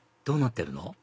どうなってるの？